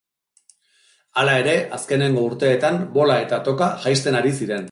Hala ere, azkeneko urteetan bola eta toka jaisten ari ziren.